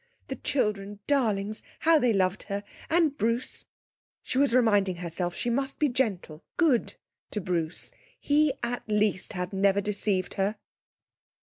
The children, darlings, how they loved her! And Bruce. She was reminding herself she must be gentle, good, to Bruce. He had at least never deceived her!